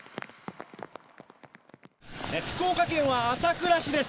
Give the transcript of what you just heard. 福岡県は朝倉市です。